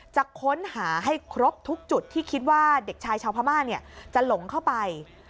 จะค้นหาให้ครบทุกจุดที่คิดว่าเด็กชายชาวพม่าจะหลงเข้าไป